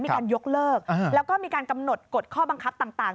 มีการยกเลิกแล้วก็มีการกำหนดกฎข้อบังคับต่าง